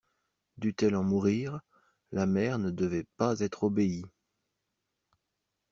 Dût-elle en mourir, la mère ne devait pas être obéie.